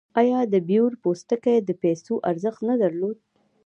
آیا د بیور پوستکي د پیسو ارزښت نه درلود؟